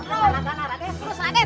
terus raden keluar ke tenaga raden